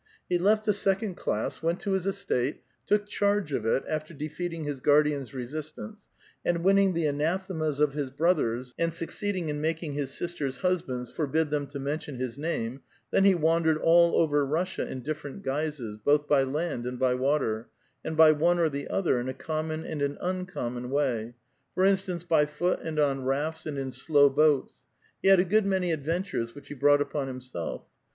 He left the second class, went to his estate, took charge of it, after defeating his guardian's resistance, and winning the anathemas of his brothers, and succeedins: in making his sister's husbands forbid them to mention his name ; then he wandered all over Russia in dif ferent guises, both by land and by water, and by one or the other, in a common and an uncommon wa^* ; for instance, by foot, and on rafts, and in slow boats ; he had a good many adventures, which he brought upon himself.